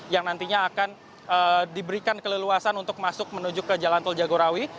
yang nantinya akan diberikan keleluasan untuk masuk menuju ke jalan tol jagorawi